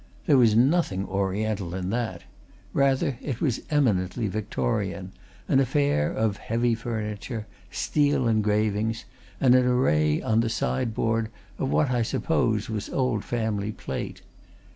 There was nothing Oriental in that; rather, it was eminently Victorian, an affair of heavy furniture, steel engravings, and an array, on the sideboard, of what, I suppose, was old family plate.